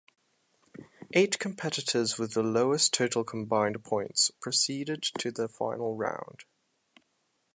Eight competitors with the lowest total combined points proceeded to the final round.